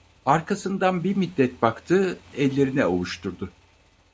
Arkasından bir müddet baktı, ellerini ovuşturdu...